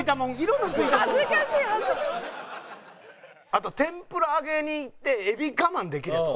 あと天ぷら揚げにいってエビ我慢できるヤツおる？